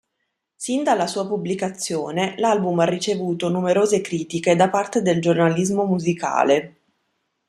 Sin dalla sua pubblicazione, l'album ha ricevuto numerose critiche da parte del giornalismo musicale.